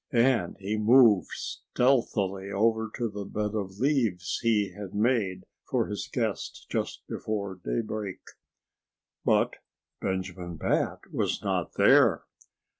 And he moved stealthily over to the bed of leaves he had made for his guest just before daybreak. But Benjamin Bat was not there.